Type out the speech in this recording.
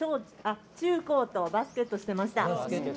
中高バスケットしてました。